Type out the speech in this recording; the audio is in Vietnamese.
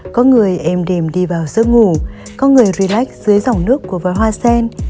có người êm đềm đi vào giữa ngủ có người relax dưới dòng nước của vòi hoa sen